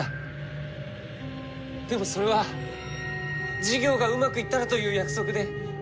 でもそれは事業がうまくいったらという約束で。